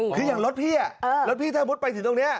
คืออย่างรถพี่รถพี่ถ้ามุดไปถึงตรงนี้